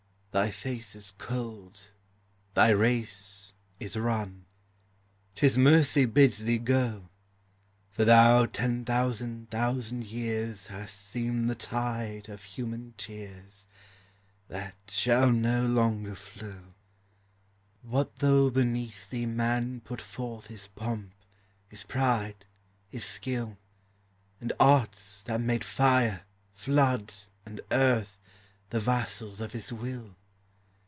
Thy face is cold, thy race is run, 'T is Mercy bids thee go; For thou ten thousand thousand years Hast seen the tide of human tears, That shall no longer flow. What though beneath thee man put forth His pomp, his pride, his skill ; And arts that made fire, flood, and earth The vassals of his will?